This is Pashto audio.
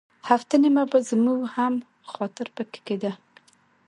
هفته نیمه به زموږ هم خاطر په کې کېده.